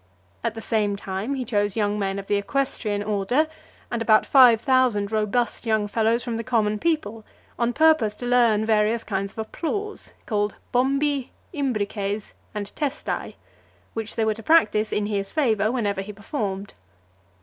At the same time, he chose young men of the equestrian order, and above five thousand robust young fellows from the common people, on purpose to learn various kinds of applause, called bombi, imbrices, and testae , which they were to practise in his favour, whenever he performed.